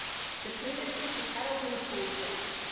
18 The payments to Catalina Pools, Inc.